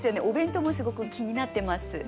お弁当もすごく気になってます。